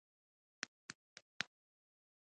موږ هم همداسې وکړل او په پښو ننوتلو.